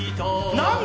何だ？